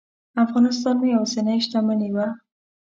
افغانستان مې یوازینۍ شتمني وه.